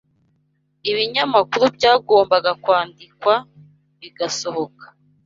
Ibinyamakuru byagombaga kwandikwa bigasohoka